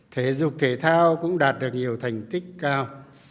thể dục thể thao cũng đạt được nhiều thành tích cao